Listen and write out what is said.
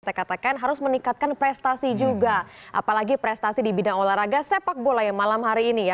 saya katakan harus meningkatkan prestasi juga apalagi prestasi di bidang olahraga sepak bola yang malam hari ini ya